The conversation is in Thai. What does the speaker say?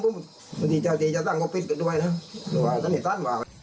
พี่เจ้าสีจะสั่งก็ปิดกันด้วยนะสักนิดสักนิด